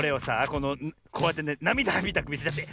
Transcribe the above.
このこうやってねなみだみたくみせちゃって。